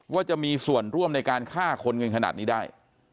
ว่าจะมีส่วนร่วมในการฆ่าคนเงินขนาดนี้ได้